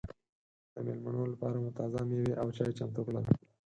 د مېلمنو لپاره مو تازه مېوې او چای چمتو کړل.